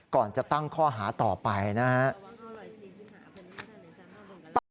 ก่อนจะตั้งข้อหาต่อไปนะครับ